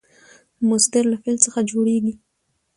مصدر له فعل څخه جوړیږي.